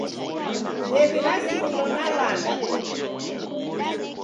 Ndew'irasimilo na w'ana.